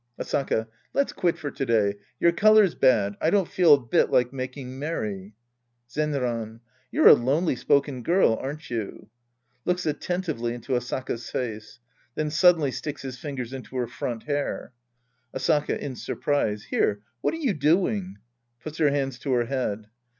Asaka. Let's quit for to day. Your color's bad. I don't feel a bit like making merry. Zenran. You're a lonely spoken girl, aren't you ? {Looks attentively into Asaka's face. Then suddenly sticks his fingers into Iter front hair!) Asaka {in surprise). Here, what are you doing ? {Puts her hands to her head!)